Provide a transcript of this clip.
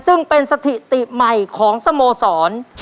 ซึ่งเป็นสถิติใหม่ของสโมสร